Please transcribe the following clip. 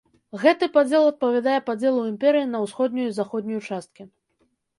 Гэты падзел адпавядае падзелу імперыі на усходнюю і заходнюю часткі.